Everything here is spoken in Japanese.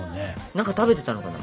何か食べてたのかな？